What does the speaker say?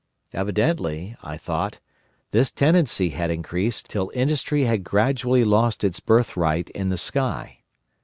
Evidently, I thought, this tendency had increased till Industry had gradually lost its birthright in the sky.